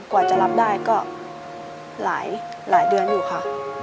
กว่าจะรับได้ก็หลายเดือนอยู่ค่ะ